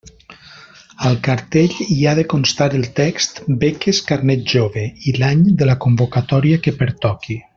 Al cartell hi ha de constar el text “beques Carnet Jove” i l'any de la convocatòria que pertoqui.